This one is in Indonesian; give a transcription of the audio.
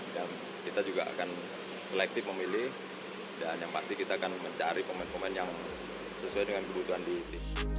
dan kita juga akan selektif memilih dan yang pasti kita akan mencari pemain pemain yang sesuai dengan kebutuhan di it